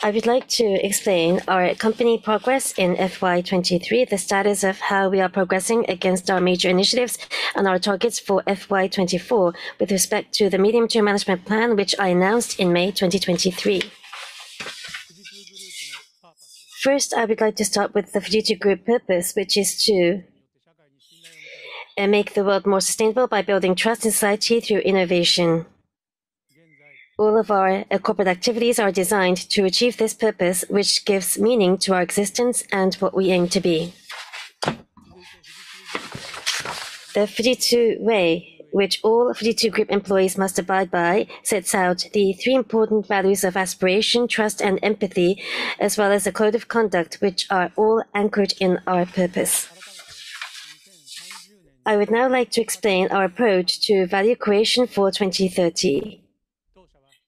I would like to explain our company progress in FY2023, the status of how we are progressing against our major initiatives and our targets for FY2024 with respect to the Medium-Term Management Plan which I announced in May 2023. First, I would like to start with the Fujitsu Group purpose, which is to make the world more sustainable by building trust in society through innovation. All of our corporate activities are designed to achieve this purpose, which gives meaning to our existence and what we aim to be. The Fujitsu Way, which all Fujitsu Group employees must abide by, sets out the three important values of aspiration, trust, and empathy, as well as a code of conduct which are all anchored in our purpose. I would now like to explain our approach to value creation for 2030.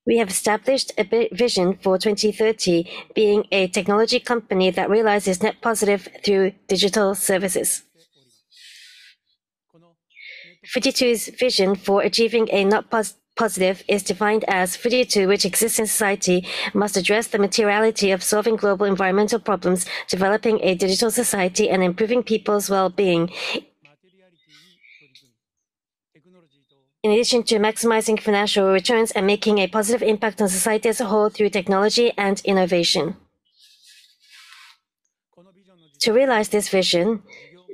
We have established a vision for 2030 being a technology company that realizes Net Positive through digital services. Fujitsu's vision for achieving a Net Positive is defined as Fujitsu, which exists in society, must address the materiality of solving global environmental problems, developing a digital society, and improving people's well-being in addition to maximizing financial returns and making a positive impact on society as a whole through technology and innovation. To realize this vision,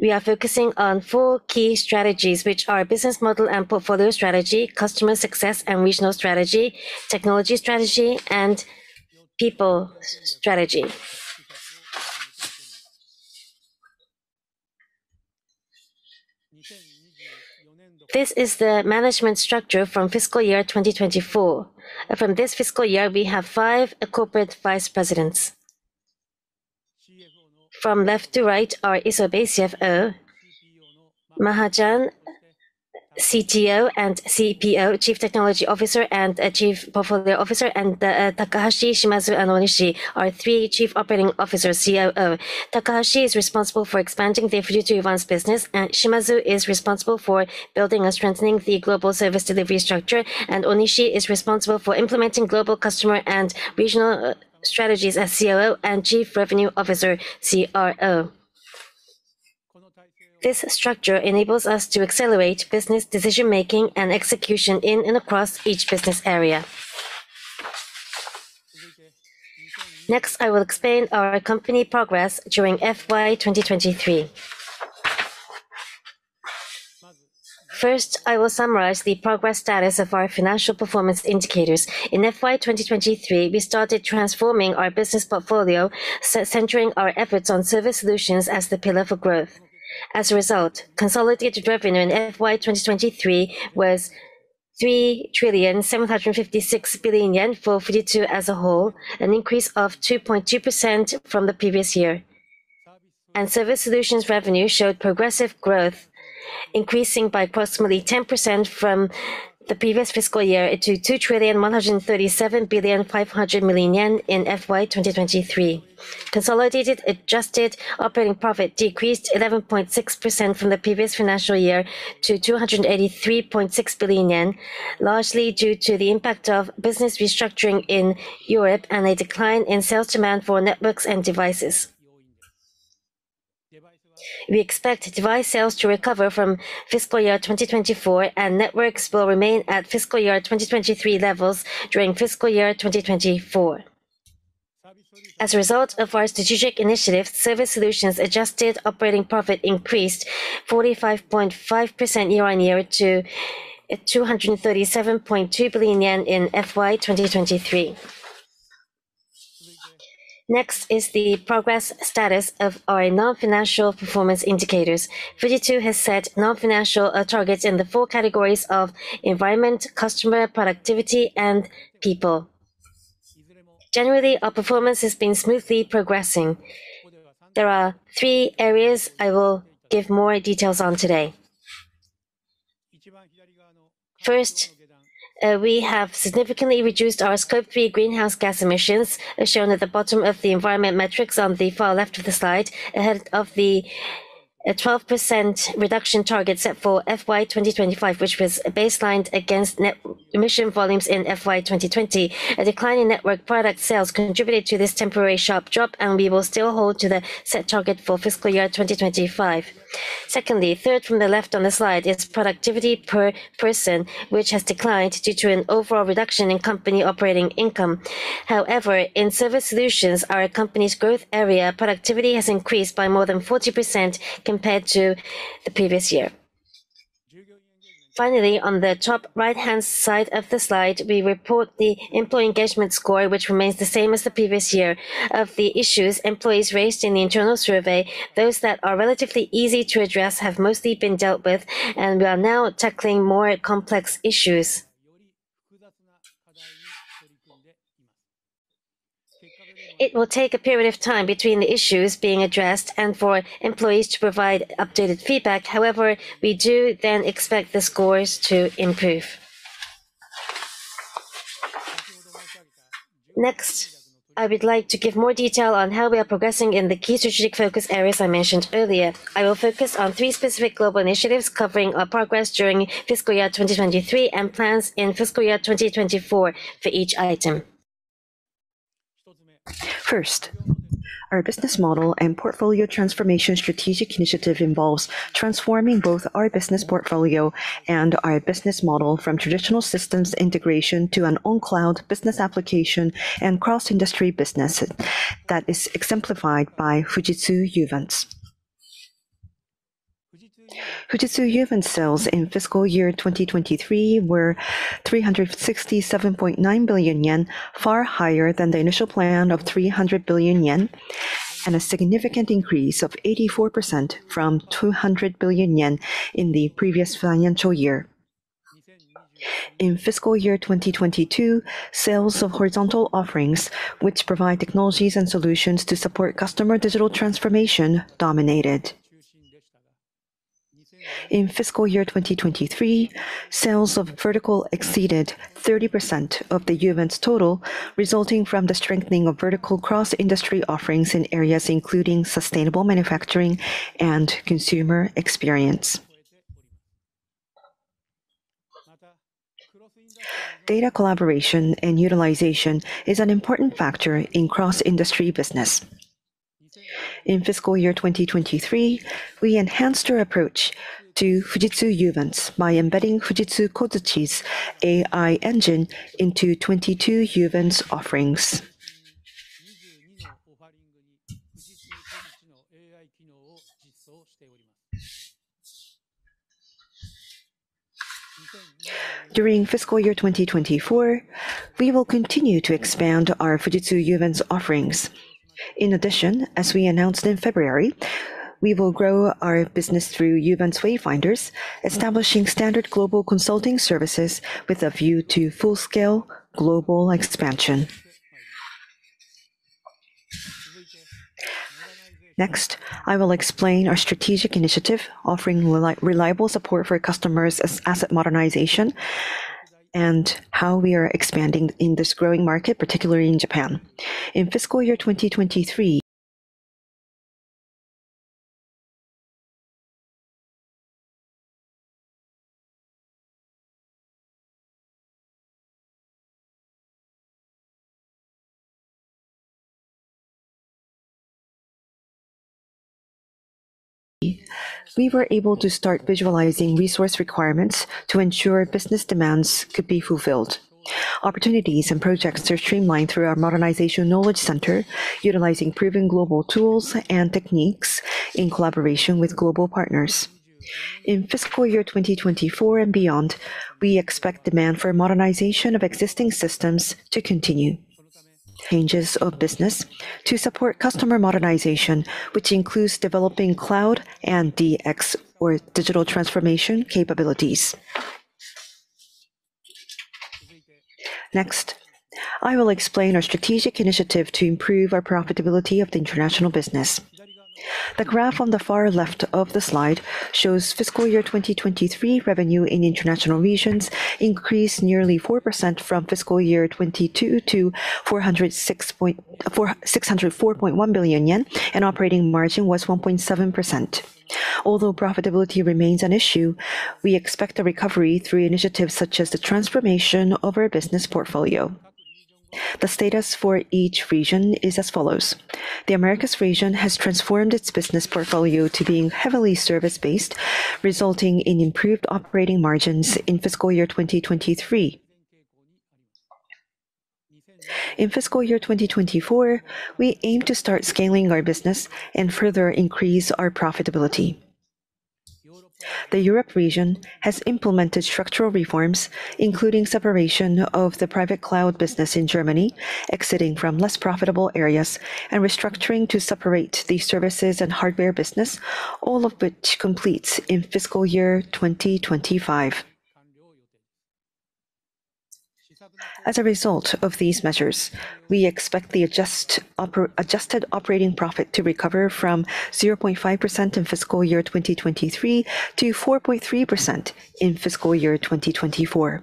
we are focusing on four key strategies which are business model and portfolio strategy, customer success and regional strategy, technology strategy, and people strategy. This is the management structure from fiscal year 2024. From this fiscal year, we have five corporate vice presidents. From left to right are Isobe, CFO, Mahajan, CTO and CPO, Chief Technology Officer and Chief Portfolio Officer, and Takahashi, Shimazu, and Onishi are three Chief Operating Officers, COO. Takahashi is responsible for expanding the Fujitsu Uvance business, and Shimazu is responsible for building and strengthening the global service delivery structure, and Onishi is responsible for implementing global customer and regional strategies as COO and Chief Revenue Officer CRO. This structure enables us to accelerate business decision-making and execution in and across each business area. Next, I will explain our company progress during FY2023. First, I will summarize the progress status of our financial performance indicators. In FY2023, we started transforming our business portfolio, centering our efforts on Service Solutions as the pillar for growth. As a result, consolidated revenue in FY2023 was JPY 3,756 billion for Fujitsu as a whole, an increase of 2.2% from the previous year. Service Solutions revenue showed progressive growth, increasing by approximately 10% from the previous fiscal year to 2,137.5 billion yen in FY2023. Consolidated adjusted operating profit decreased 11.6% from the previous financial year to 283.6 billion yen, largely due to the impact of business restructuring in Europe and a decline in sales demand for networks and devices. We expect device sales to recover from fiscal year 2024, and networks will remain at fiscal year 2023 levels during fiscal year 2024. As a result of our strategic initiatives, Service Solutions adjusted operating profit increased 45.5% year on year to 237.2 billion yen in FY2023. Next is the progress status of our non-financial performance indicators. Fujitsu has set non-financial targets in the four categories of environment, customer, productivity, and people. Generally, our performance has been smoothly progressing. There are three areas I will give more details on today. First, we have significantly reduced our Scope 3 greenhouse gas emissions, as shown at the bottom of the environment metrics on the far left of the slide, ahead of the 12% reduction target set for FY2025, which was baselined against net emission volumes in FY2020. A decline in Network Product sales contributed to this temporary sharp drop, and we will still hold to the set target for fiscal year 2025. Secondly, third from the left on the slide is productivity per person, which has declined due to an overall reduction in company operating income. However, in Service Solutions, our company's growth area, productivity has increased by more than 40% compared to the previous year. Finally, on the top right-hand side of the slide, we report the employee engagement score, which remains the same as the previous year, of the issues employees raised in the internal survey. Those that are relatively easy to address have mostly been dealt with, and we are now tackling more complex issues. It will take a period of time between the issues being addressed and for employees to provide updated feedback. However, we do then expect the scores to improve. Next, I would like to give more detail on how we are progressing in the key strategic focus areas I mentioned earlier. I will focus on three specific global initiatives covering our progress during fiscal year 2023 and plans in fiscal year 2024 for each item. First, our business model and portfolio transformation strategic initiative involves transforming both our business portfolio and our business model from traditional systems integration to an on-cloud business application and cross-industry business. That is exemplified by Fujitsu Uvance. Fujitsu Uvance sales in fiscal year 2023 were 367.9 billion yen, far higher than the initial plan of 300 billion yen, and a significant increase of 84% from 200 billion yen in the previous financial year. In fiscal year 2022, sales of horizontal offerings, which provide technologies and solutions to support customer digital transformation, dominated. In fiscal year 2023, sales of Vertical exceeded 30% of the Uvance total, resulting from the strengthening of vertical cross-industry offerings in areas including Sustainable Manufacturing and Consumer Experience. Data collaboration and utilization is an important factor in cross-industry business. In fiscal year 2023, we enhanced our approach to Fujitsu Uvance by embedding Fujitsu Kozuchi's AI engine into 22 Uvance offerings. During fiscal year 2024, we will continue to expand our Fujitsu Uvance offerings. In addition, as we announced in February, we will grow our business through Uvance Wayfinders, establishing standard global consulting services with a view to full-scale global expansion. Next, I will explain our strategic initiative offering reliable support for customers' asset modernization and how we are expanding in this growing market, particularly in Japan. In fiscal year 2023, we were able to start visualizing resource requirements to ensure business demands could be fulfilled. Opportunities and projects are streamlined through our Modernization Knowledge Center, utilizing proven global tools and techniques in collaboration with global partners. In fiscal year 2024 and beyond, we expect demand for modernization of existing systems to continue. Changes of business to support customer modernization, which includes developing cloud and DX, or digital transformation, capabilities. Next, I will explain our strategic initiative to improve our profitability of the international business. The graph on the far left of the slide shows fiscal year 2023 revenue in international regions increased nearly 4% from fiscal year 2022 to 406.1 billion yen, and operating margin was 1.7%. Although profitability remains an issue, we expect a recovery through initiatives such as the transformation of our business portfolio. The status for each region is as follows. The Americas region has transformed its business portfolio to being heavily service-based, resulting in improved operating margins in fiscal year 2023. In fiscal year 2024, we aim to start scaling our business and further increase our profitability. The Europe region has implemented structural reforms, including separation of the private cloud business in Germany, exiting from less profitable areas, and restructuring to separate the services and hardware business, all of which completes in fiscal year 2025. As a result of these measures, we expect the adjusted operating profit to recover from 0.5% in fiscal year 2023 to 4.3% in fiscal year 2024.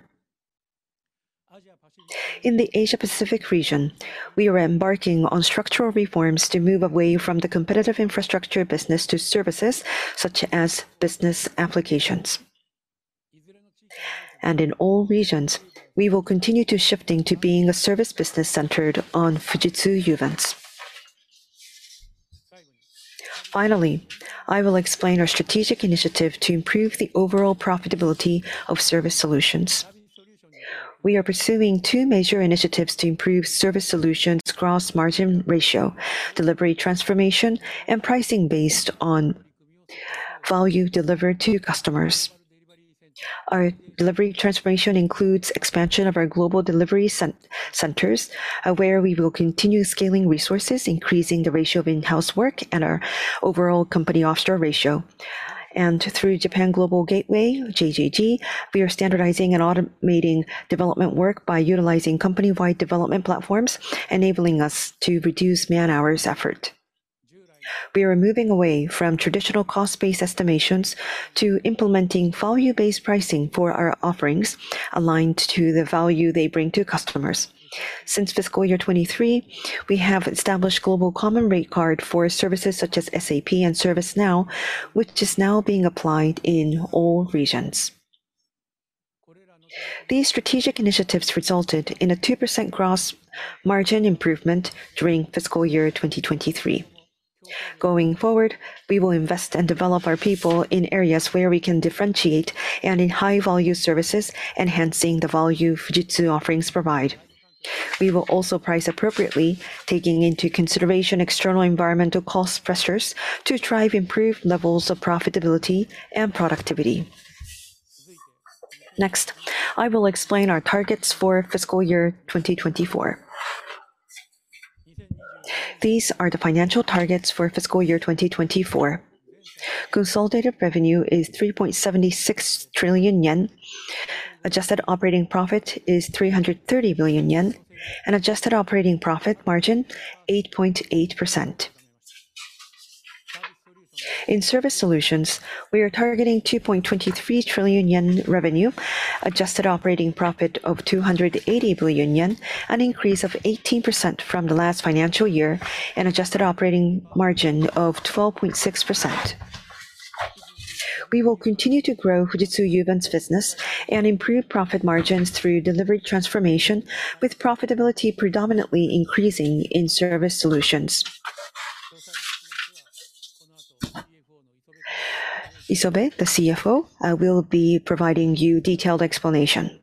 In the Asia-Pacific region, we are embarking on structural reforms to move away from the competitive infrastructure business to services such as business applications. In all regions, we will continue to shifting to being a service business centered on Fujitsu Uvance. Finally, I will explain our strategic initiative to improve the overall profitability of Service Solutions. We are pursuing two major initiatives to improve Service Solutions gross-margin ratio, delivery transformation, and pricing based on value delivered to customers. Our delivery transformation includes expansion of our Global Delivery Centers, where we will continue scaling resources, increasing the ratio of in-house work and our overall company offshore ratio. Through Japan Global Gateway, JGG, we are standardizing and automating development work by utilizing company-wide development platforms, enabling us to reduce man-hours effort. We are moving away from traditional cost-based estimations to implementing value-based pricing for our offerings, aligned to the value they bring to customers. Since fiscal year 2023, we have established global common rate card for services such as SAP and ServiceNow, which is now being applied in all regions. These strategic initiatives resulted in a 2% gross margin improvement during fiscal year 2023. Going forward, we will invest and develop our people in areas where we can differentiate and in high-value services, enhancing the value Fujitsu offerings provide. We will also price appropriately, taking into consideration external environmental cost pressures to drive improved levels of profitability and productivity. Next, I will explain our targets for fiscal year 2024. These are the financial targets for fiscal year 2024. Consolidated revenue is 3.76 trillion yen, adjusted operating profit is 330 billion yen, and adjusted operating profit margin is 8.8%. In Service Solutions, we are targeting 2.23 trillion yen revenue, adjusted operating profit of 280 billion yen, an increase of 18% from the last financial year, and adjusted operating margin of 12.6%. We will continue to grow Fujitsu Uvance business and improve profit margins through delivery transformation, with profitability predominantly increasing in Service Solutions. Isobe, the CFO, will be providing you detailed explanation.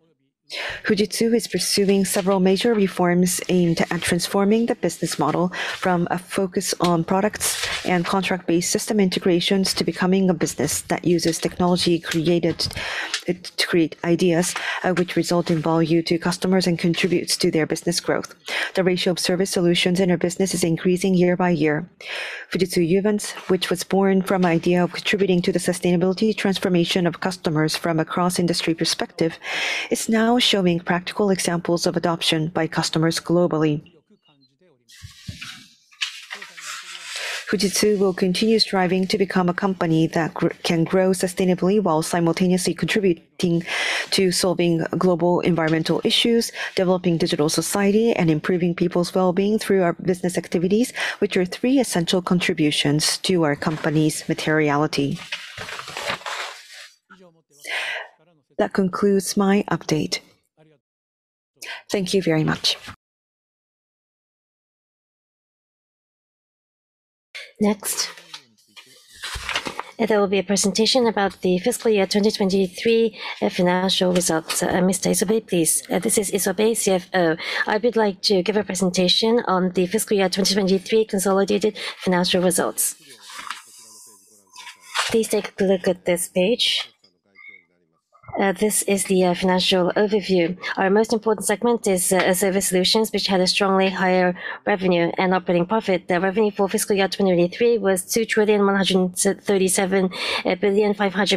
Fujitsu is pursuing several major reforms aimed at transforming the business model from a focus on products and contract-based system integrations to becoming a business that uses technology created to create ideas, which result in value to customers and contributes to their business growth. The ratio of Service Solutions in our business is increasing year by year. Fujitsu Uvance, which was born from an idea of contributing to the sustainability transformation of customers from a cross-industry perspective, is now showing practical examples of adoption by customers globally. Fujitsu will continue striving to become a company that can grow sustainably while simultaneously contributing to solving global environmental issues, developing digital society, and improving people's well-being through our business activities, which are three essential contributions to our company's materiality. That concludes my update. Thank you very much. Next, there will be a presentation about the fiscal year 2023 financial results. Mr. Isobe, please. This is Isobe, CFO. I would like to give a presentation on the fiscal year 2023 consolidated financial results. Please take a look at this page. This is the financial overview. Our most important segment is Service Solutions, which had a strongly higher revenue and operating profit. The revenue for fiscal year 2023 was 2,137.5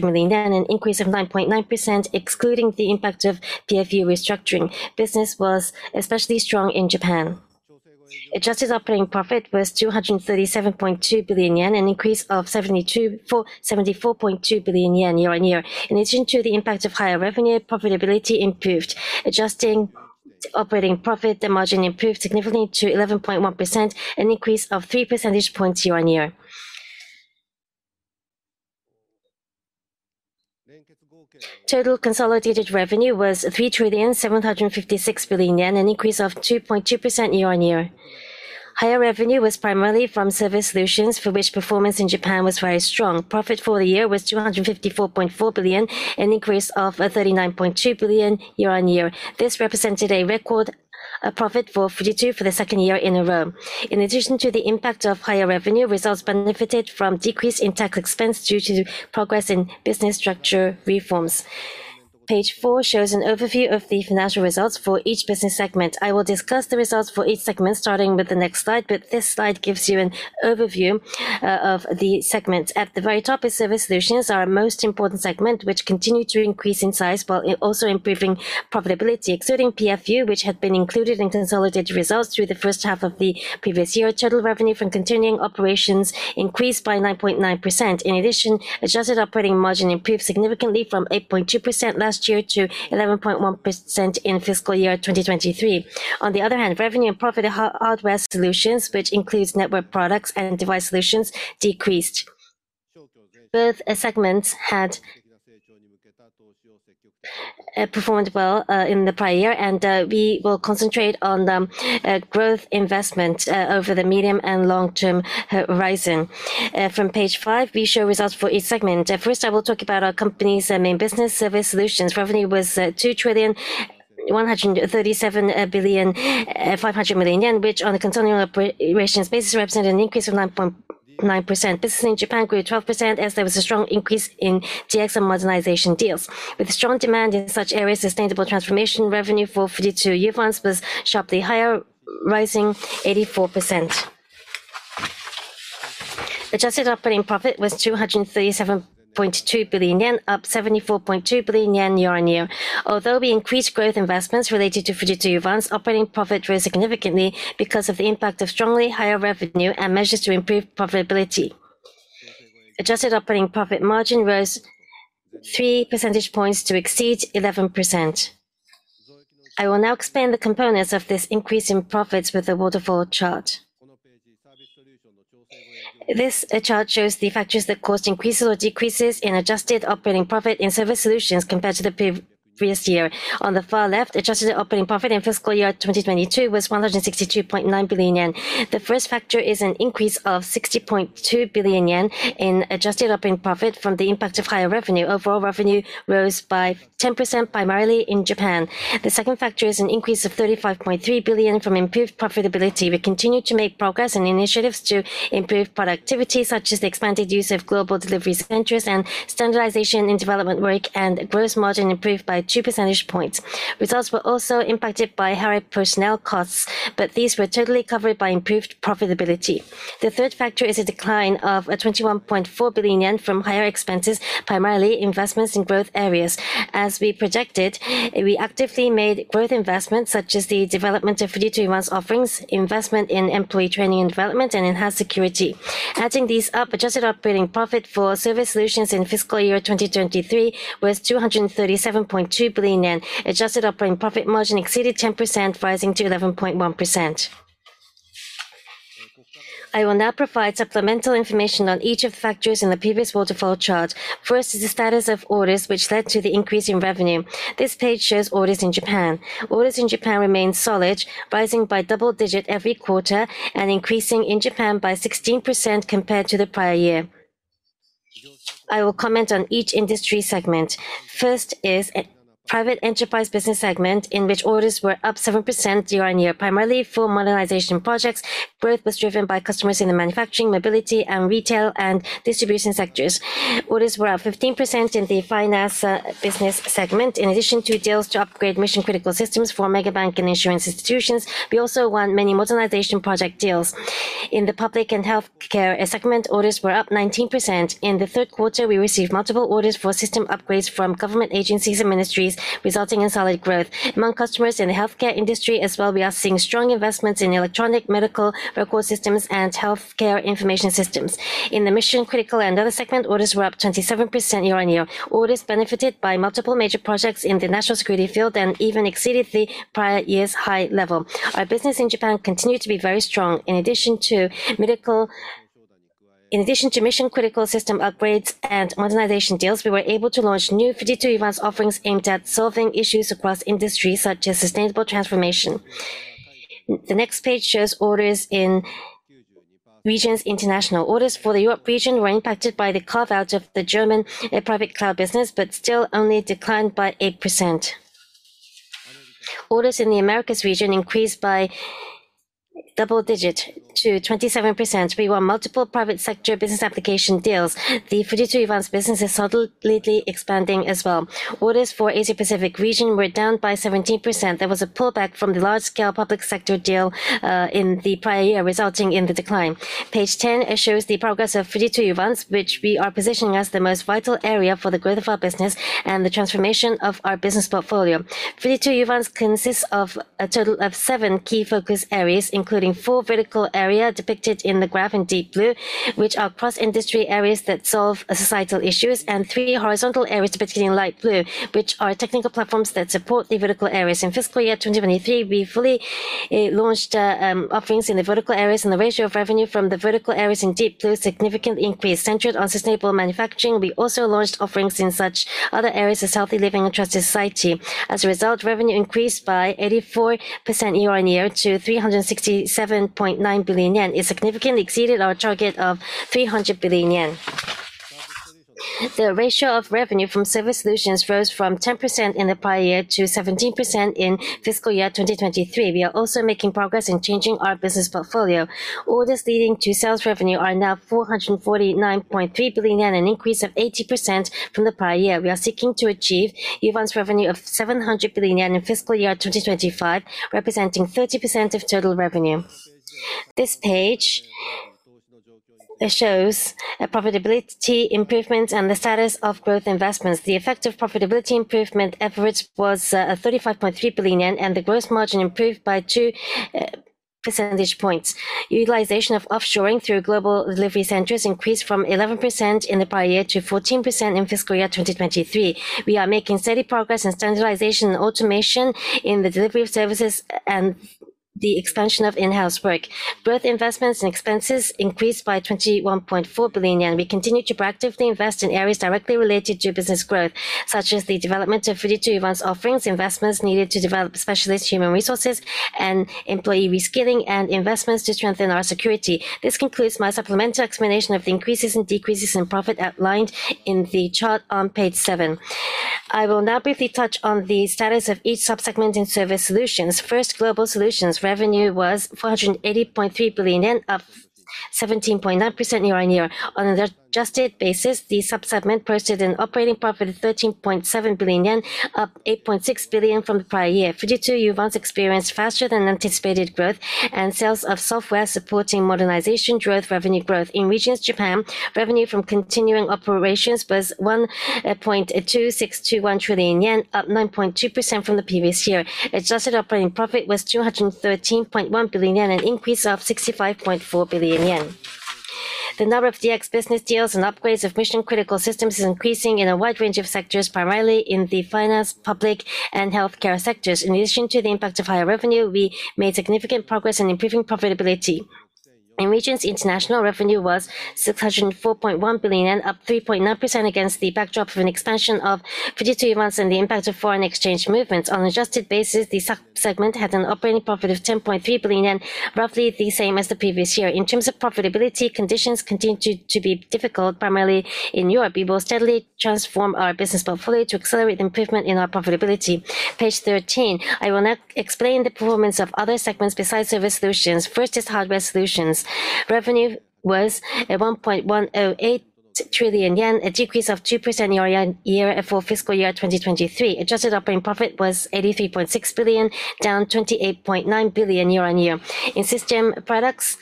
billion yen, an increase of 9.9%, excluding the impact of PFU restructuring. Business was especially strong in Japan. Adjusted operating profit was 237.2 billion yen, an increase of 74.2 billion yen year-over-year. In addition to the impact of higher revenue, profitability improved. Adjusted operating profit, the margin improved significantly to 11.1%, an increase of three percentage points year-over-year. Total consolidated revenue was 3,756 billion yen, an increase of 2.2% year-over-year. Higher revenue was primarily from Service Solutions, for which performance in Japan was very strong. Profit for the year was 254.4 billion, an increase of 39.2 billion year-over-year. This represented a record profit for Fujitsu for the second year in a row. In addition to the impact of higher revenue, results benefited from decreased intangible expense due to progress in business structure reforms. Page 4 shows an overview of the financial results for each business segment. I will discuss the results for each segment starting with the next slide, but this slide gives you an overview of the segments. At the very top is Service Solutions, our most important segment, which continued to increase in size while also improving profitability, excluding PFU, which had been included in consolidated results through the first half of the previous year. Total revenue from continuing operations increased by 9.9%. In addition, adjusted operating margin improved significantly from 8.2% last year to 11.1% in fiscal year 2023. On the other hand, revenue and profit of Hardware Solutions, which includes Network Products and Device Solutions, decreased. Both segments had performed well in the prior-year, and we will concentrate on growth investment over the medium and long-term horizon. From page 5, we show results for each segment. First, I will talk about our company's main business, Service Solutions. Revenue was 2,137.5 billion, which on a continuing operations basis represented an increase of 9.9%. Business in Japan grew 12% as there was a strong increase in DX and modernization deals. With strong demand in such areas, sustainability transformation revenue for Fujitsu Uvance was sharply higher, rising 84%. Adjusted operating profit was 237.2 billion yen, up 74.2 billion yen year-on-year. Although we increased growth investments related to Fujitsu Uvance, operating profit rose significantly because of the impact of strongly higher revenue and measures to improve profitability. Adjusted Operating Profit margin rose three percentage points to exceed 11%. I will now explain the components of this increase in profits with a waterfall chart. This chart shows the factors that caused increases or decreases in Adjusted Operating Profit in Service Solutions compared to the previous year. On the far left, Adjusted Operating Profit in fiscal year 2022 was 162.9 billion yen. The first factor is an increase of 60.2 billion yen in Adjusted Operating Profit from the impact of higher revenue. Overall revenue rose by 10% primarily in Japan. The second factor is an increase of 35.3 billion from improved profitability. We continue to make progress in initiatives to improve productivity, such as the expanded use of Global Delivery Centers and standardization in development work, and gross margin improved by 2 percentage points. Results were also impacted by higher personnel costs, but these were totally covered by improved profitability. The third factor is a decline of 21.4 billion yen from higher expenses, primarily investments in growth areas. As we projected, we actively made growth investments, such as the development of Fujitsu Uvance's offerings, investment in employee training and development, and enhanced security. Adding these up, Adjusted Operating Profit for Service Solutions in fiscal year 2023 was 237.2 billion yen. Adjusted Operating Profit margin exceeded 10%, rising to 11.1%. I will now provide supplemental information on each of the factors in the previous waterfall chart. First is the status of orders, which led to the increase in revenue. This page shows orders in Japan. Orders in Japan remain solid, rising by double-digit every quarter and increasing in Japan by 16% compared to the prior-year. I will comment on each industry segment. First is a Private Enterprise business segment in which orders were up 7% year-on-year, primarily for modernization projects. Growth was driven by customers in the manufacturing, mobility, and retail and distribution sectors. Orders were up 15% in the Finance business segment, in addition to deals to upgrade mission-critical systems for mega bank and insurance institutions. We also won many modernization project deals. In the Public and Healthcare segment, orders were up 19%. In the third quarter, we received multiple orders for system upgrades from government agencies and ministries, resulting in solid growth. Among customers in the healthcare industry as well, we are seeing strong investments in electronic medical record systems, and healthcare information systems. In the Mission-critical and Other segment, orders were up 27% year-on-year. Orders benefited by multiple major projects in the national security field and even exceeded the prior-year's high level. Our business in Japan continued to be very strong. In addition to mission-critical system upgrades and modernization deals, we were able to launch new Fujitsu Uvance offerings aimed at solving issues across industries, such as sustainable transformation. The next page shows orders in regions internationally. Orders for the Europe region were impacted by the carve-out of the German private cloud business, but still only declined by 8%. Orders in the Americas region increased by double-digit to 27%. We won multiple private sector business application deals. The Fujitsu Uvance business is subtle expanding as well. Orders for the Asia-Pacific region were down by 17%. There was a pullback from the large-scale public sector deal in the prior-year, resulting in the decline. Page 10 shows the progress of Fujitsu Uvance, which we are positioning as the most vital area for the growth of our business and the transformation of our business portfolio. Fujitsu Uvance consists of a total of seven key focus areas, including four vertical areas depicted in the graph in deep blue, which are cross-industry areas that solve societal issues, and three horizontal areas depicted in light blue, which are technical platforms that support the vertical areas. In fiscal year 2023, we fully launched offerings in the vertical areas, and the ratio of revenue from the vertical areas in deep blue significantly increased, centered on sustainable manufacturing. We also launched offerings in such other areas as Healthy Living and Trusted Society. As a result, revenue increased by 84% year-on-year to 367.9 billion yen. It significantly exceeded our target of 300 billion yen. The ratio of revenue from Service Solutions rose from 10% in the prior-year to 17% in fiscal year 2023. We are also making progress in changing our business portfolio. Orders leading to sales revenue are now 449.3 billion yen, an increase of 80% from the prior-year. We are seeking to achieve Uvance revenue of 700 billion yen in fiscal year 2025, representing 30% of total revenue. This page shows profitability improvements and the status of growth investments. The effect of profitability improvement efforts was 35.3 billion yen, and the gross margin improved by two percentage points. Utilization of offshoring through global delivery centers increased from 11% in the prior-year to 14% in fiscal year 2023. We are making steady progress in standardization and automation in the delivery of services and the expansion of in-house work. Growth investments and expenses increased by 21.4 billion yen. We continue to proactively invest in areas directly related to business growth, such as the development of Fujitsu Uvance's offerings, investments needed to develop specialist human resources and employee reskilling, and investments to strengthen our security. This concludes my supplemental explanation of the increases and decreases in profit outlined in the chart on page seven. I will now briefly touch on the status of each subsegment in Service Solutions. First, Global Solutions. Revenue was 480.3 billion yen, up 17.9% year-on-year. On an adjusted basis, the subsegment posted an operating profit of 13.7 billion yen, up 8.6 billion from the prior-year. Fujitsu Uvance experienced faster than anticipated growth and sales of software supporting modernization growth revenue growth. In Regions Japan, revenue from continuing operations was 1.2621 trillion yen, up 9.2% from the previous year. Adjusted operating profit was 213.1 billion yen, an increase of 65.4 billion yen. The number of DX business deals and upgrades of mission-critical systems is increasing in a wide range of sectors, primarily in the Finance, public, and healthcare sectors. In addition to the impact of higher revenue, we made significant progress in improving profitability. In Regions International, revenue was 604.1 billion, up 3.9% against the backdrop of an expansion of Fujitsu Uvance and the impact of foreign exchange movements. On an adjusted basis, the subsegment had an operating profit of 10.3 billion yen, roughly the same as the previous year. In terms of profitability, conditions continue to be difficult, primarily in Europe. We will steadily transform our business portfolio to accelerate improvement in our profitability. Page 13. I will now explain the performance of other segments besides Service Solutions. First is Hardware Solutions. Revenue was 1.108 trillion yen, a decrease of 2% year-on-year for fiscal year 2023. Adjusted operating profit was 83.6 billion, down 28.9 billion year-on-year. In System Products,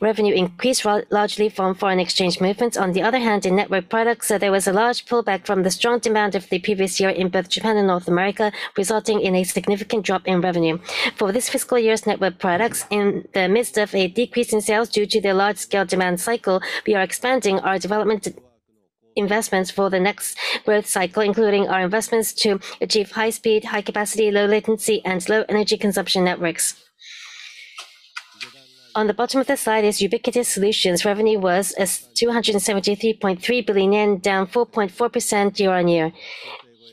revenue increased largely from foreign exchange movements. On the other hand, in Network Products, there was a large pullback from the strong demand of the previous year in both Japan and North America, resulting in a significant drop in revenue. For this fiscal year's Network Products, in the midst of a decrease in sales due to the large-scale demand cycle, we are expanding our development investments for the next growth cycle, including our investments to achieve high-speed, high-capacity, low-latency, and low-energy consumption networks. On the bottom of the slide is Ubiquitous Solutions. Revenue was 273.3 billion yen, down 4.4% year-on-year.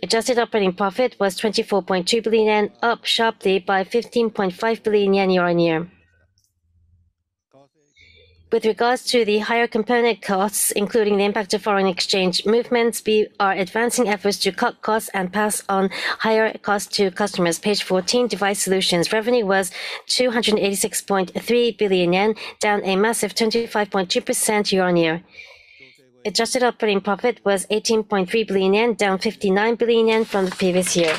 Adjusted operating profit was 24.2 billion yen, up sharply by 15.5 billion yen year-on-year. With regards to the higher component costs, including the impact of foreign exchange movements, we are advancing efforts to cut costs and pass on higher costs to customers. Page 14, Device Solutions. Revenue was 286.3 billion yen, down a massive 25.2% year-on-year. Adjusted operating profit was 18.3 billion yen, down 59 billion yen from the previous year.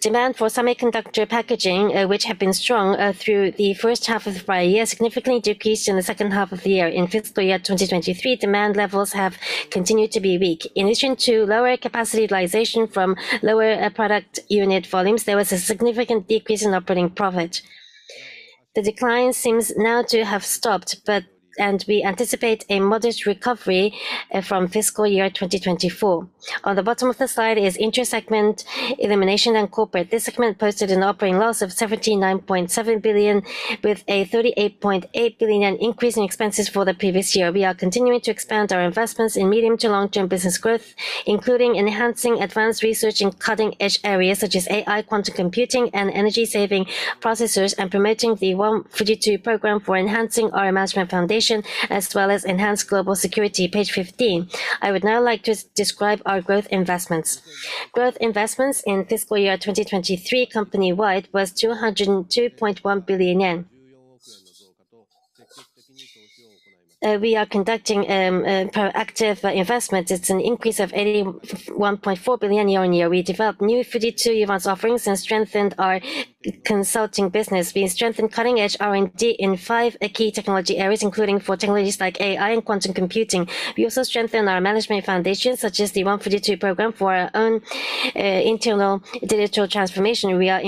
Demand for semiconductor packaging, which had been strong through the first half of the prior-year, significantly decreased in the second half of the year. In fiscal year 2023, demand levels have continued to be weak. In addition to lower capacity utilization from lower product unit volumes, there was a significant decrease in operating profit. The decline seems now to have stopped, and we anticipate a modest recovery from fiscal year 2024. On the bottom of the slide is intersegment elimination and corporate. This segment posted an operating loss of 79.7 billion, with a 38.8 billion increase in expenses for the previous year. We are continuing to expand our investments in medium to long-term business growth, including enhancing advanced research in cutting-edge areas such as AI, quantum computing, and energy-saving processors, and promoting the One Fujitsu program for enhancing our management foundation, as well as enhanced global security. Page 15. I would now like to describe our growth investments. Growth investments in fiscal year 2023, company-wide, were JPY 202.1 billion. We are conducting proactive investments. It's an increase of 81.4 billion year-on-year. We developed new Fujitsu Uvance offerings and strengthened our consulting business. We strengthened cutting-edge R&D in five key technology areas, including for technologies like AI and quantum computing. We also strengthened our management foundation, such as the One Fujitsu program, for our own internal digital transformation. We are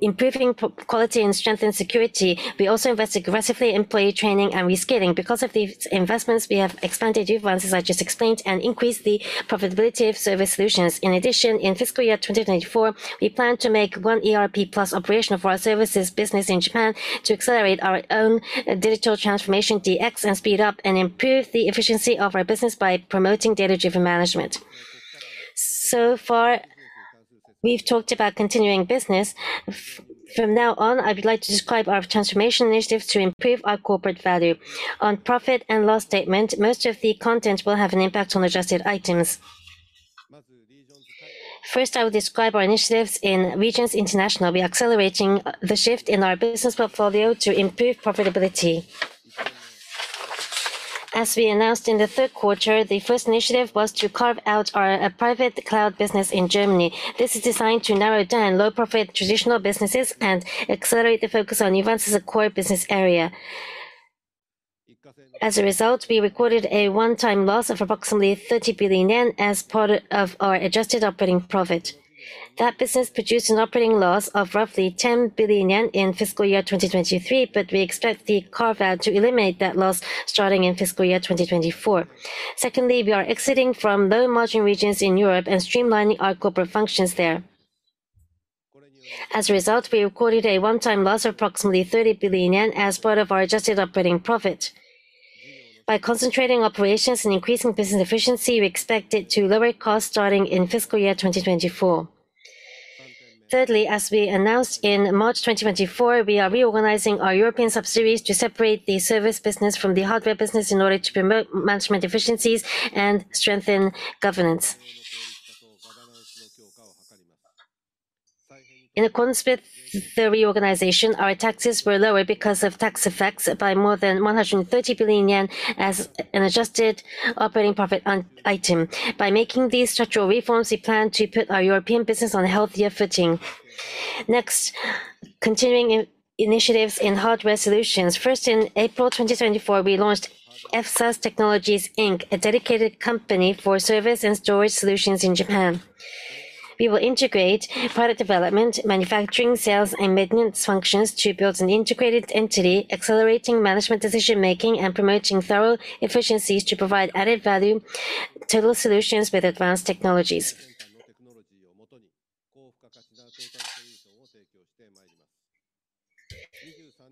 improving quality and strengthening security. We also invest aggressively in employee training and reskilling. Because of these investments, we have expanded Uvance, as I just explained, and increased the profitability of Service Solutions. In addition, in fiscal year 2024, we plan to make OneERP+ operational for our services business in Japan to accelerate our own digital transformation DX and speed up and improve the efficiency of our business by promoting data-driven management. So far, we've talked about continuing business. From now on, I would like to describe our transformation initiatives to improve our corporate value. On profit and loss statement, most of the content will have an impact on adjusted items. First, I will describe our initiatives in international regions. We are accelerating the shift in our business portfolio to improve profitability. As we announced in the third quarter, the first initiative was to carve out our private cloud business in Germany. This is designed to narrow down low-profit traditional businesses and accelerate the focus on Uvance as a core business area. As a result, we recorded a one-time loss of approximately 30 billion yen as part of our Adjusted Operating Profit. That business produced an operating loss of roughly 10 billion yen in fiscal year 2023, but we expect the carve-out to eliminate that loss starting in fiscal year 2024. Secondly, we are exiting from low-margin regions in Europe and streamlining our corporate functions there. As a result, we recorded a one-time loss of approximately 30 billion yen as part of our Adjusted Operating Profit. By concentrating operations and increasing business efficiency, we expect it to lower costs starting in fiscal year 2024. Thirdly, as we announced in March 2024, we are reorganizing our European subsidiaries to separate the service business from the hardware business in order to promote management efficiencies and strengthen governance. In accordance with the reorganization, our taxes were lowered because of tax effects by more than 130 billion yen as an adjusted operating profit item. By making these structural reforms, we plan to put our European business on a healthier footing. Next, continuing initiatives in Hardware Solutions. First, in April 2024, we launched FSAS Technologies, Inc a dedicated company for service and storage solutions in Japan. We will integrate product development, manufacturing, sales, and maintenance functions to build an integrated entity, accelerating management decision-making and promoting thorough efficiencies to provide added value total solutions with advanced technologies.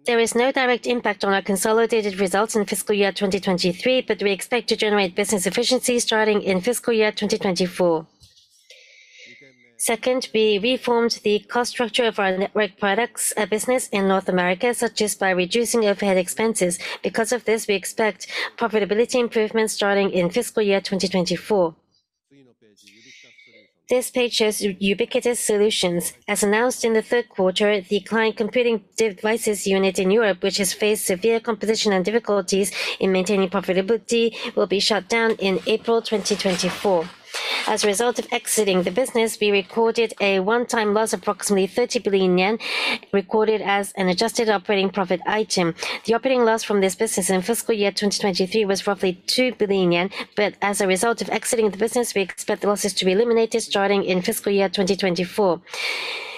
There is no direct impact on our consolidated results in fiscal year 2023, but we expect to generate business efficiencies starting in fiscal year 2024. Second, we reformed the cost structure of our Network Products business in North America, such as by reducing overhead expenses. Because of this, we expect profitability improvements starting in fiscal year 2024. This page shows Ubiquitous Solutions. As announced in the third quarter, the Client Computing Devices unit in Europe, which has faced severe competition and difficulties in maintaining profitability, will be shut down in April 2024. As a result of exiting the business, we recorded a one-time loss of approximately 30 billion yen. Recorded as an Adjusted Operating Profit item. The operating loss from this business in fiscal year 2023 was roughly 2 billion yen, but as a result of exiting the business, we expect the losses to be eliminated starting in fiscal year 2024.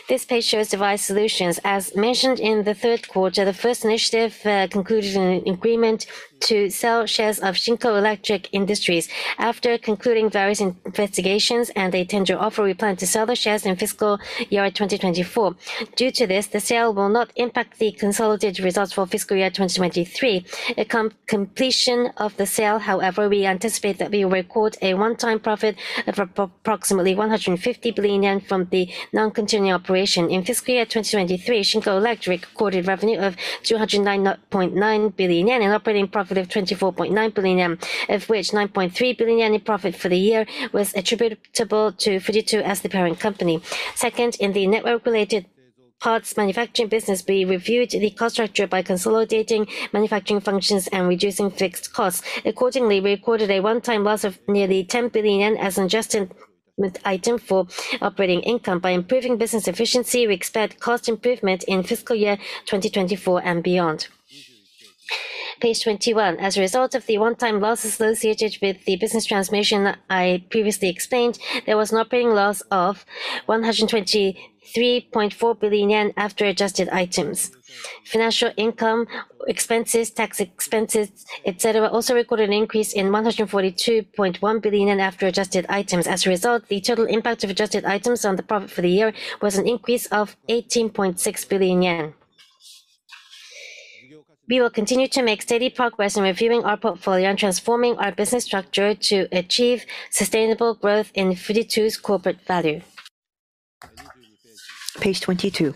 This page shows Device Solutions. As mentioned in the third quarter, the first initiative concluded an agreement to sell shares of Shinko Electric Industries. After concluding various investigations and a tender offer, we plan to sell the shares in fiscal year 2024. Due to this, the sale will not impact the consolidated results for fiscal year 2023. Upon completion of the sale, however, we anticipate that we will record a one-time profit of approximately 150 billion yen from the non-continuing operation. In fiscal year 2023, Shinko Electric recorded revenue of 209.9 billion yen, an operating profit of 24.9 billion yen, of which 9.3 billion yen in profit for the year was attributable to Fujitsu as the parent company. Second, in the network-related parts manufacturing business, we reviewed the cost structure by consolidating manufacturing functions and reducing fixed costs. Accordingly, we recorded a one-time loss of nearly 10 billion as an adjustment item for operating income. By improving business efficiency, we expect cost improvement in fiscal year 2024 and beyond. Page 21. As a result of the one-time loss associated with the business transformation I previously explained, there was an operating loss of 123.4 billion yen after adjusted items. Financial income, expenses, tax expenses, etc., also recorded an increase in 142.1 billion after adjusted items. As a result, the total impact of adjusted items on the profit for the year was an increase of 18.6 billion yen. We will continue to make steady progress in reviewing our portfolio and transforming our business structure to achieve sustainable growth in Fujitsu's corporate value. Page 22.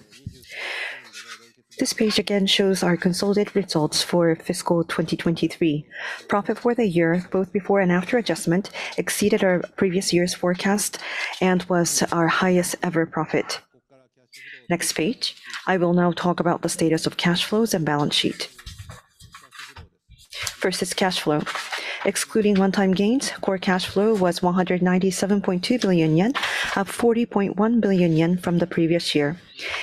This page again shows our consolidated results for fiscal 2023. Profit for the year, both before and after adjustment, exceeded our previous year's forecast and was our highest-ever profit. Next page, I will now talk about the status of cash flows and balance sheet. First is cash flow. Excluding one-time gains, core cash flow was 197.2 billion yen, up 40.1 billion yen from the previous year.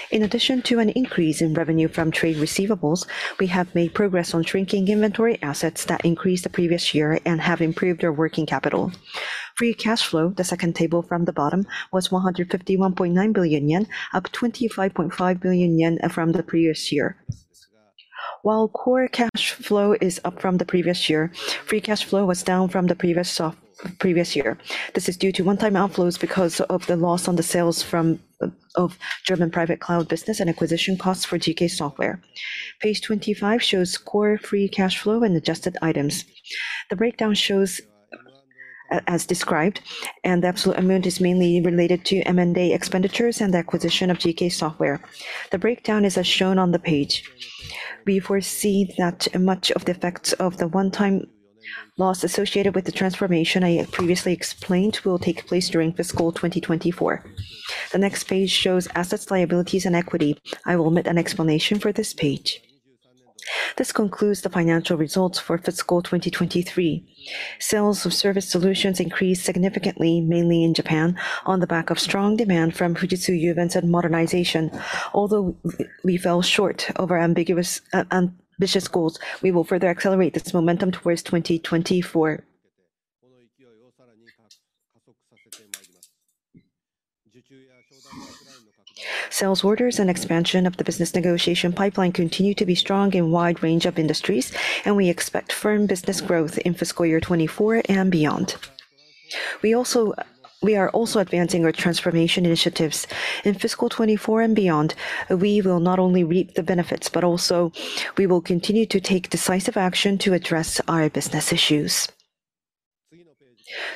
In addition to an increase in revenue from trade receivables, we have made progress on shrinking inventory assets that increased the previous year and have improved our working capital. Free cash flow, the second table from the bottom, was 151.9 billion yen, up 25.5 billion yen from the previous year. While core cash flow is up from the previous year, free cash flow was down from the previous year. This is due to one-time outflows because of the loss on the sale of German private cloud business and acquisition costs for GK Software. Page 25 shows Core Free Cash Flow and adjusted items. The breakdown shows as described, and the absolute amount is mainly related to M&A expenditures and the acquisition of GK Software. The breakdown is as shown on the page. We foresee that much of the effects of the one-time loss associated with the transformation I previously explained will take place during fiscal 2024. The next page shows assets, liabilities, and equity. I will omit an explanation for this page. This concludes the financial results for fiscal 2023. Sales of Service Solutions increased significantly, mainly in Japan, on the back of strong demand from Fujitsu Uvance and modernization. Although we fell short of our ambitious goals, we will further accelerate this momentum towards 2024. Sales orders and expansion of the business negotiation pipeline continue to be strong in a wide range of industries, and we expect firm business growth in fiscal year 2024 and beyond. We are also advancing our transformation initiatives. In fiscal 2024 and beyond, we will not only reap the benefits, but also we will continue to take decisive action to address our business issues.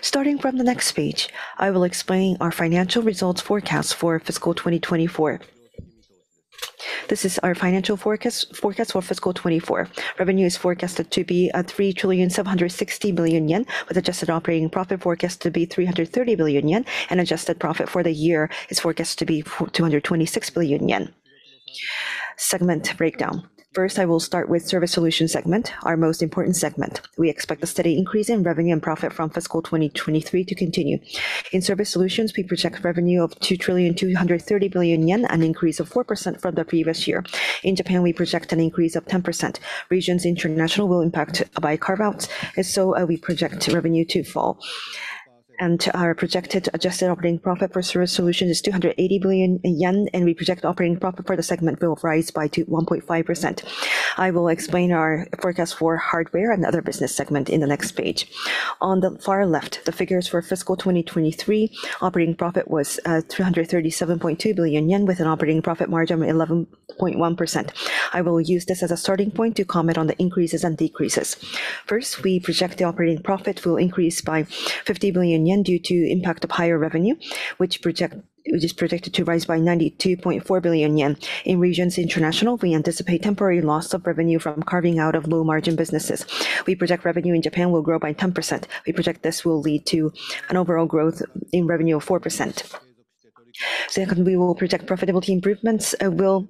Starting from the next page, I will explain our financial results forecast for fiscal 2024. This is our financial forecast for fiscal 2024. Revenue is forecasted to be 3 trillion 760 billion, with Adjusted Operating Profit forecast to be 330 billion yen, and adjusted profit for the year is forecast to be 226 billion yen. Segment breakdown. First, I will start with Service Solutions segment, our most important segment. We expect a steady increase in revenue and profit from fiscal 2023 to continue. In Service Solutions, we project revenue of 2 trillion 230 billion, an increase of 4% from the previous year. In Japan, we project an increase of 10%. International regions will be impacted by carve-outs, and so we project revenue to fall. Our projected Adjusted Operating Profit for Service Solutions is 280 billion yen, and we project operating profit for the segment will rise by 1.5%. I will explain our forecast for hardware and other business segments in the next page. On the far left, the figures for fiscal 2023. Operating profit was 337.2 billion yen, with an operating profit margin of 11.1%. I will use this as a starting point to comment on the increases and decreases. First, we project the operating profit will increase by 50 billion yen due to the impact of higher revenue, which is projected to rise by 92.4 billion yen. In international regions, we anticipate temporary loss of revenue from carving out of low-margin businesses. We project revenue in Japan will grow by 10%. We project this will lead to an overall growth in revenue of 4%. Second, we will project profitability improvements will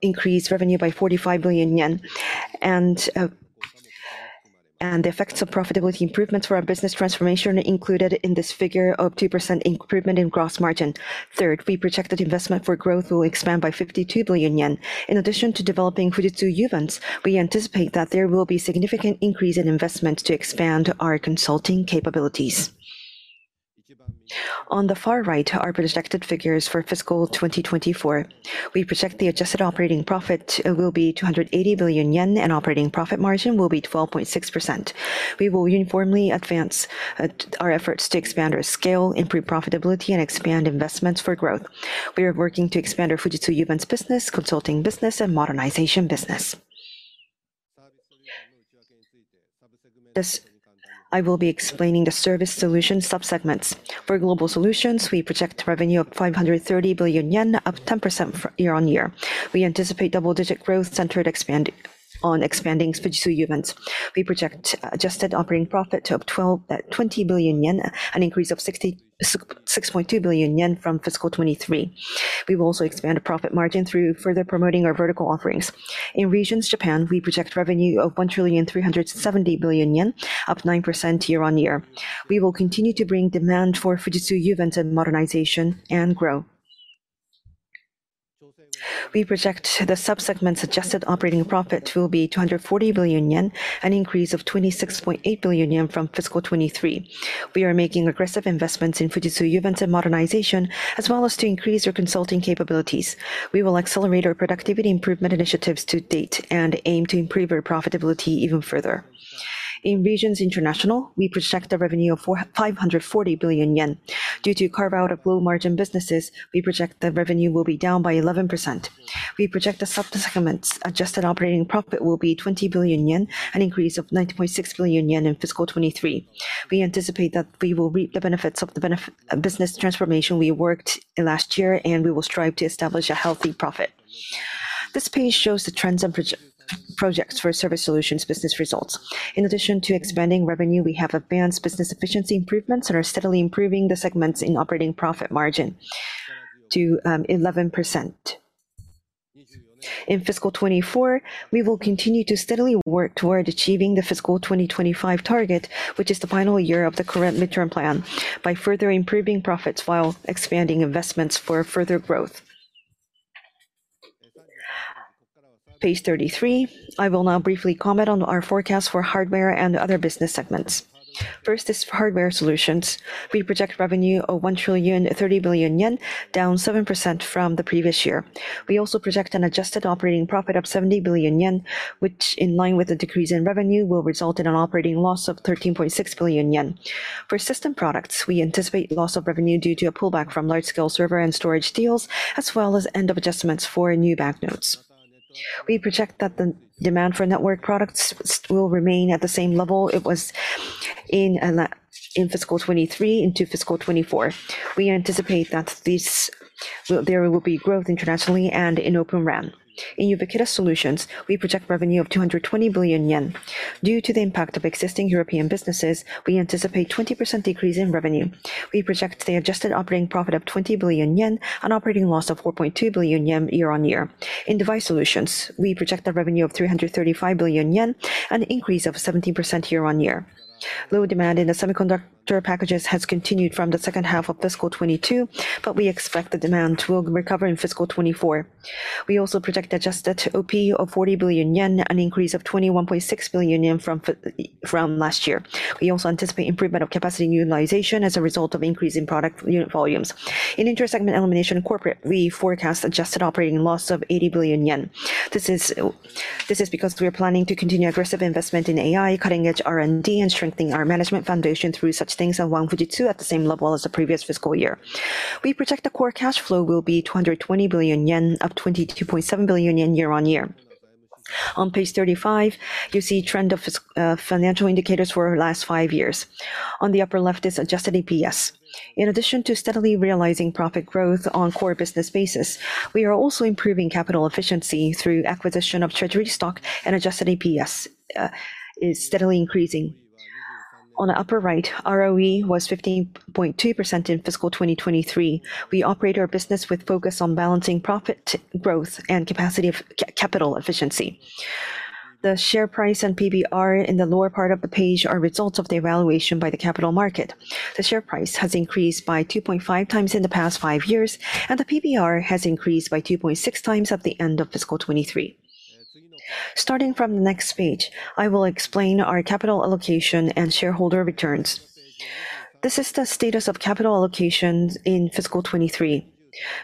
increase revenue by 45 billion yen, and the effects of profitability improvements for our business transformation are included in this figure of 2% improvement in gross margin. Third, we project that investment for growth will expand by 52 billion yen. In addition to developing Fujitsu Uvance, we anticipate that there will be a significant increase in investment to expand our consulting capabilities. On the far right, our projected figures for fiscal 2024. We project the Adjusted Operating Profit will be 280 billion yen, and operating profit margin will be 12.6%. We will uniformly advance our efforts to expand our scale, improve profitability, and expand investments for growth. We are working to expand our Fujitsu Uvance business, consulting business, and modernization business. I will be explaining the Service Solutions subsegments. For global solutions, we project revenue of 530 billion yen, up 10% year-on-year. We anticipate double-digit growth centered on expanding Fujitsu Uvance. We project adjusted operating profit to 122 billion yen, an increase of 6.2 billion yen from fiscal 2023. We will also expand our profit margin through further promoting our vertical offerings. In region Japan, we project revenue of 1,370 billion yen, up 9% year-on-year. We will continue to bring demand for Fujitsu Uvance and modernization and grow. We project the subsegment's adjusted operating profit will be 240 billion yen, an increase of 26.8 billion yen from fiscal 2023. We are making aggressive investments in Fujitsu Uvance and modernization, as well as to increase our consulting capabilities. We will accelerate our productivity improvement initiatives to date and aim to improve our profitability even further. In regions international, we project a revenue of 540 billion yen. Due to carve-out of low-margin businesses, we project the revenue will be down by 11%. We project the subsegment's adjusted operating profit will be 20 billion yen, an increase of 9.6 billion yen in fiscal 2023. We anticipate that we will reap the benefits of the business transformation we worked in last year, and we will strive to establish a healthy profit. This page shows the trends and projects for Service Solutions business results. In addition to expanding revenue, we have advanced business efficiency improvements and are steadily improving the segment's operating profit margin to 11%. In fiscal 2024, we will continue to steadily work toward achieving the fiscal 2025 target, which is the final year of the current midterm plan, by further improving profits while expanding investments for further growth. Page 33. I will now briefly comment on our forecast for Hardware Solutions and other business segments. First is Hardware Solutions. We project revenue of 1,030 billion yen, down 7% from the previous year. We also project an Adjusted Operating Profit of 70 billion yen, which, in line with the decrease in revenue, will result in an operating loss of 13.6 billion yen. For System Products, we anticipate loss of revenue due to a pullback from large-scale server and storage deals, as well as end-of-adjustments for new banknotes. We project that the demand for Network Products will remain at the same level it was in fiscal 2023 into fiscal 2024. We anticipate that there will be growth internationally and in Open RAN. In Ubiquitous Solutions, we project revenue of 220 billion yen. Due to the impact of existing European businesses, we anticipate a 20% decrease in revenue. We project the adjusted operating profit of 20 billion yen, an operating loss of 4.2 billion yen year-on-year. In Device Solutions, we project a revenue of 335 billion yen, an increase of 17% year-on-year. Low demand in the semiconductor packages has continued from the second half of fiscal 2022, but we expect the demand will recover in fiscal 2024. We also project adjusted OP of 40 billion yen, an increase of 21.6 billion yen from last year. We also anticipate improvement of capacity utilization as a result of increasing product volumes. In intersegment elimination corporate, we forecast adjusted operating loss of 80 billion yen. This is because we are planning to continue aggressive investment in AI, cutting-edge R&D, and strengthening our management foundation through such things and One Fujitsu at the same level as the previous fiscal year. We project the core cash flow will be 220 billion yen, up 22.7 billion yen year-on-year. On page 35, you see a trend of financial indicators for the last five years. On the upper left is adjusted EPS. In addition to steadily realizing profit growth on a core business basis, we are also improving capital efficiency through acquisition of Treasury stock, and adjusted EPS is steadily increasing. On the upper right, ROE was 15.2% in fiscal 2023. We operate our business with focus on balancing profit growth and capital efficiency. The share price and PBR in the lower part of the page are results of the evaluation by the capital market. The share price has increased by 2.5x in the past five years, and the PBR has increased by 2.6x at the end of fiscal 2023. Starting from the next page, I will explain our capital allocation and shareholder returns. This is the status of capital allocations in fiscal 2023.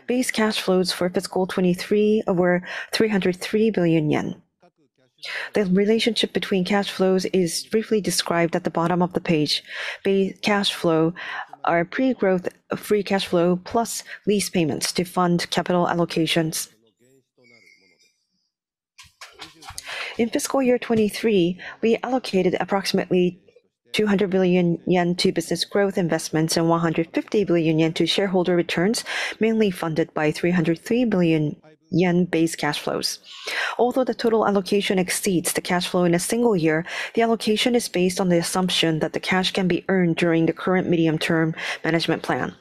Base Cash Flows for fiscal 2023 were 303 billion yen. The relationship between cash flows is briefly described at the bottom of the page. Base Cash Flow is pre-growth free cash flow plus lease payments to fund capital allocations. In fiscal year 2023, we allocated approximately 200 billion yen to business growth investments and 150 billion yen to shareholder returns, mainly funded by 303 billion yen Base Cash Flows. Although the total allocation exceeds the cash flow in a single year, the allocation is based on the assumption that the cash can be earned during the current Medium-Term Management Plan.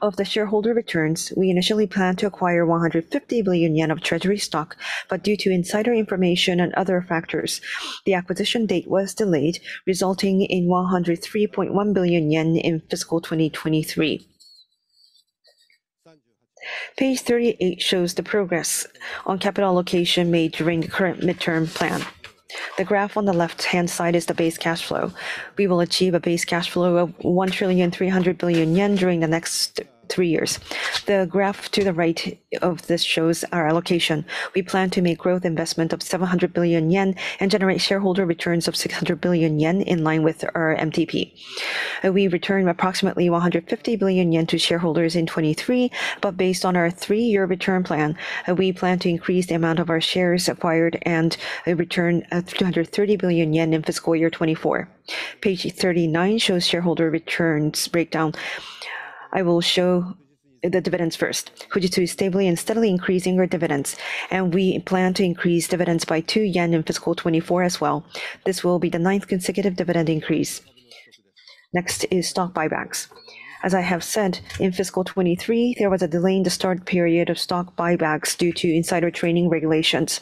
Of the shareholder returns, we initially planned to acquire 150 billion yen of treasury stock, but due to insider information and other factors, the acquisition date was delayed, resulting in 103.1 billion yen in fiscal 2023. Page 38 shows the progress on capital allocation made during the current midterm plan. The graph on the left-hand side is the base cash flow. We will achieve a base cash flow of 1,300 billion yen during the next three years. The graph to the right of this shows our allocation. We plan to make growth investment of 700 billion yen and generate shareholder returns of 600 billion yen, in line with our MTP. We returned approximately 150 billion yen to shareholders in 2023, but based on our three-year return plan, we plan to increase the amount of our shares acquired and return 230 billion yen in fiscal year 2024. Page 39 shows shareholder returns breakdown. I will show the dividends first. Fujitsu is steadily and steadily increasing our dividends, and we plan to increase dividends by 2 yen in fiscal 2024 as well. This will be the ninth consecutive dividend increase. Next is stock buybacks. As I have said, in fiscal 2023, there was a delay in the start period of stock buybacks due to insider trading regulations.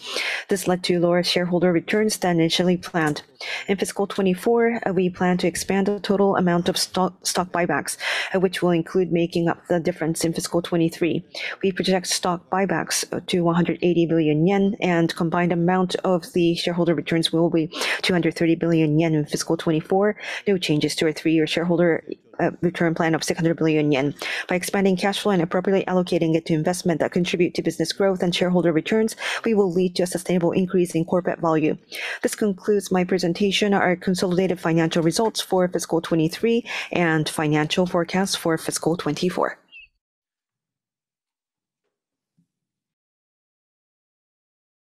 This led to lower shareholder returns than initially planned. In fiscal 2024, we plan to expand the total amount of stock buybacks, which will include making up the difference in fiscal 2023. We project stock buybacks to 180 billion yen, and the combined amount of the shareholder returns will be 230 billion yen in fiscal 2024, no changes to our three-year shareholder return plan of 600 billion yen. By expanding cash flow and appropriately allocating it to investment that contribute to business growth and shareholder returns, we will lead to a sustainable increase in corporate value. This concludes my presentation, our consolidated financial results for fiscal 2023, and financial forecasts for fiscal 2024.